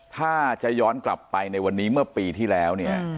ถ้าจะย้อนกลับไปในวันนี้เมื่อปีที่แล้วเนี่ย